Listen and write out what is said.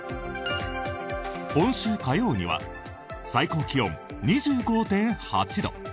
今週火曜には最高気温２５．８度。